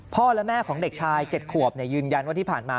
และแม่ของเด็กชาย๗ขวบยืนยันว่าที่ผ่านมา